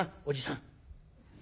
おじさん」。